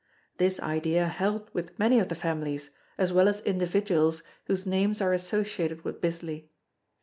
This idea held with many of the families as well as individuals whose names are associated with Bisley.